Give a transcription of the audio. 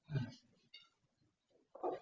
โอ้โห